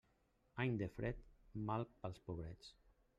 Any de fred, mal pels pobrets.